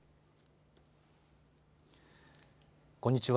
こんにちは。